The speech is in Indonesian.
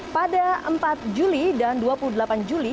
pada empat juli dan dua puluh delapan juli